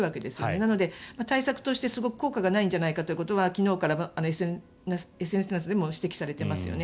なので、対策としてすごく効果がないんじゃないかということは昨日はＳＮＳなどで指摘されていますよね。